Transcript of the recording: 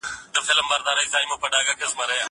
زه هره ورځ ونې ته اوبه ورکوم!؟